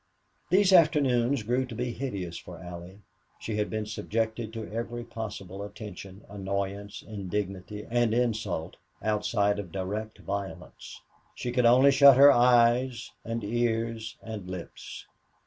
These afternoons grew to be hideous for Allie. She had been subjected to every possible attention, annoyance, indignity, and insult, outside of direct violence. She could only shut her eyes and ears and lips.